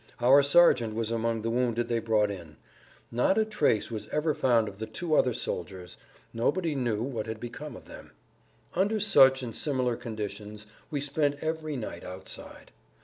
Our sergeant was among the wounded they brought in. Not a trace was ever found of the two other soldiers. Nobody knew what had become of them. Under such and similar conditions we spent every night outside.